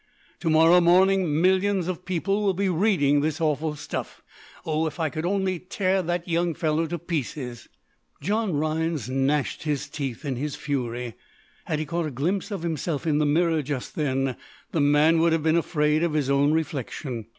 Tomorrow morning millions of people will be reading this awful stuff. Oh, if I could only tear that young fellow to pieces!" John Rhinds gnashed his teeth in his fury. Had he caught a glimpse of himself in the mirror, just then, the man would have been afraid of his own reflection.